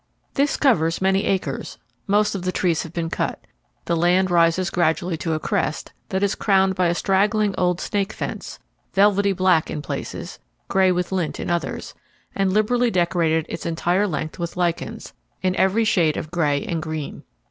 This covers many acres, most of the trees have been cut; the land rises gradually to a crest, that is crowned by a straggling old snake fence, velvety black in places, grey with lint in others, and liberally decorated its entire length with lichens, in every shade of grey and green.